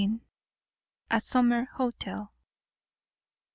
A SUMMER HOTEL.